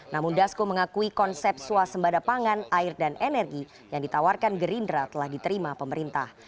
namun dasko mengakui konsep suasembada pangan air dan energi yang ditawarkan gerindra telah diterima pemerintah